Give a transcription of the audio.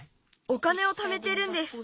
お金をためてるんです。